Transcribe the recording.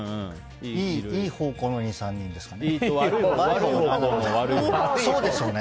いい方向の２３人ですか？